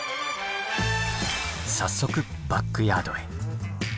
早速バックヤードへ。